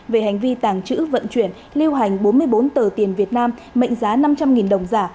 về hành vi tàng trữ vận chuyển lưu hành bốn mươi bốn tờ tiền việt nam mệnh giá năm trăm linh đồng giả